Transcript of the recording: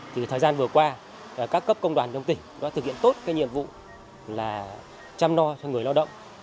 thì thời gian vừa qua các cấp công đoàn trong tỉnh đã thực hiện tốt cái nhiệm vụ là chăm lo cho người lao động